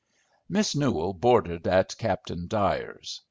Miss Newell boarded at Captain Dyer's.